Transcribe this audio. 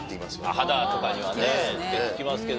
肌とかにはって聞きますけど。